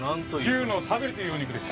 牛のサガリというお肉です。